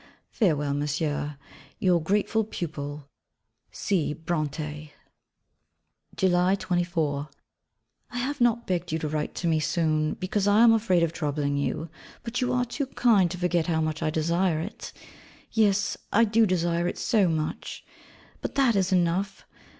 Farewell, Monsieur Your grateful pupil, C. Brontë. July 24. I have not begged you to write to me soon, because I am afraid of troubling you, but you are too kind to forget how much I desire it. Yes! I do desire it so much. But that is enough.